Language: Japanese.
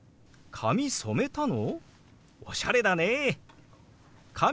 「髪染めたの？